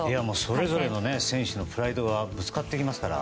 それぞれの選手のプライドがぶつかりますから。